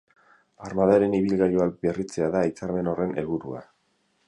Armadaren ibilgailuak berritzea da hitzarmen horren helburua.